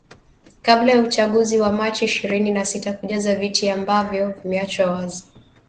kabla ya uchaguzi wa machi ishirini na sita kujaza viti ambavyo vimeachwa wazi